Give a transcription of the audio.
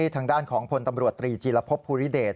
ทางด้านของพลตำรวจตรีมภพภูณิเดชย์